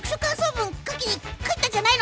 文書きに帰ったんじゃないの⁉